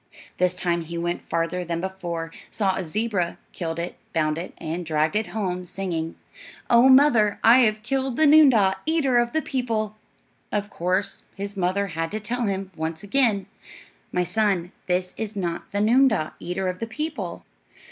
This time he went farther than before, saw a zebra, killed it, bound it, and dragged it home, singing, "Oh, mother, I have killed The noondah, eater of the people." Of course his mother had to tell him, once again, "My son, this is not the noondah, eater of the people."